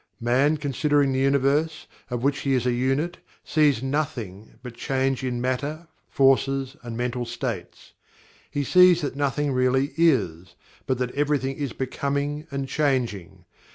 Man considering the Universe, of which he is a unit, sees nothing but change in matter, forces, and mental states. He sees that nothing really IS, but that everything is BECOMING and CHANGING.